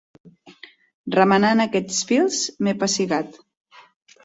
Remenant aquests fils m'he pessigat.